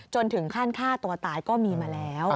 ถึงขั้นฆ่าตัวตายก็มีมาแล้ว